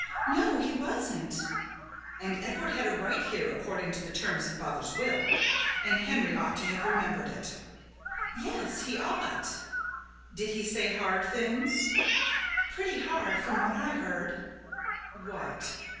"No, he wasn't." "And Edward had a right here according to the terms of father's will, and Henry ought to have remembered it." "Yes, he ought." "Did he say hard things?" "Pretty hard, from what I heard." "What?"